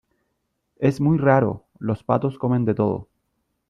es muy raro , los patos comen de todo